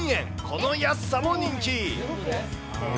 この安さも人気。